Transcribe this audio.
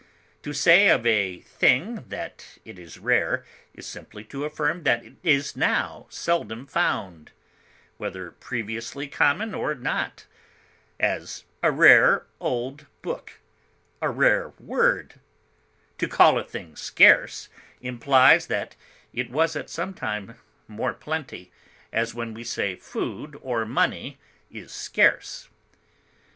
To say of a thing that it is rare is simply to affirm that it is now seldom found, whether previously common or not; as, a rare old book; a rare word; to call a thing scarce implies that it was at some time more plenty, as when we say food or money is scarce.